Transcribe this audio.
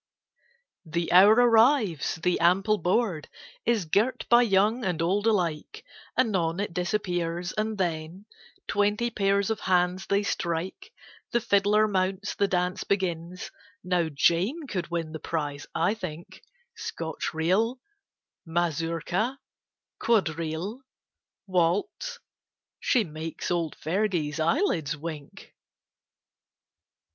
The hour arrives, the ample board Is girt by young and old alike, Anon it disappears, and then Twenty pairs of hands they strike, The fiddler mounts, the dance begins, Now Jane could win the prize, I think, Scotch reel, mazurka, quadrille, waltz, She make's old Fergie's eyelids wink.